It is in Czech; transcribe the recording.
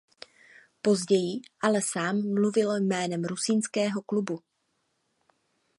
Později ale sám mluvil jménem Rusínského klubu.